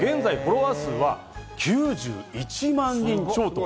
現在フォロワー数は９１万人超と。